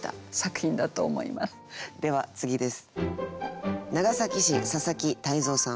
では次です。